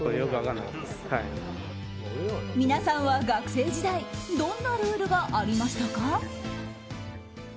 皆さんは学生時代どんなルールがありましたか？